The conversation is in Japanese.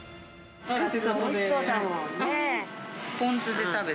カツオおいしそうだもんね。